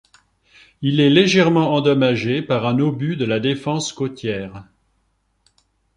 Il est légèrement endommagé par un obus de la défense côtière.